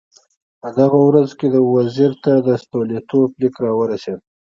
په دغو ورځو کې وزیر ته د ستولیتوف لیک راورسېد.